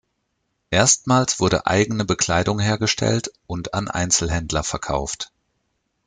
Erstmals wurde eigene Bekleidung hergestellt und an Einzelhändler verkauft.